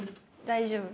大丈夫。